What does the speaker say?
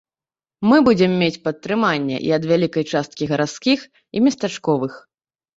Мы будзем мець падтрыманне і ад вялікай часткі гарадскіх і местачковых.